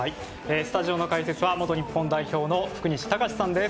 スタジオの解説は元日本代表の福西崇史さんです。